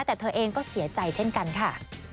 แต่เธอเองก็เสียใจเช่นกันค่ะ